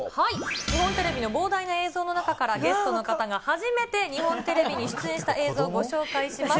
日本テレビの膨大な映像の中から、ゲストの方が初めて日本テレビに出演した映像をご紹介します。